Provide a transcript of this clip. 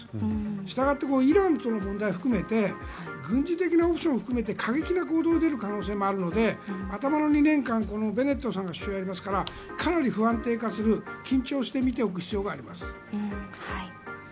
したがってイランとの問題含めて軍事的なオプションを含めて過激な行動に出る可能性もあるので頭の２年間、このベネットさんが首相をやりますからかなり不安定化する緊張して見ておく必要があります。